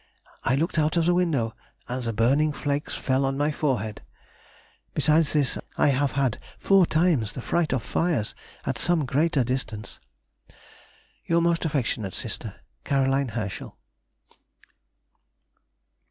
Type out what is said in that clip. I looked out of the window, and the burning flakes fell on my forehead; besides this, I have had four times the fright of fires at some greater distance. Your most affectionate Sister, C. HERSCHEL.